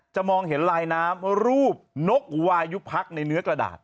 มองเห็นลายน้ำรูปนกวายุพักในเนื้อกระดาษ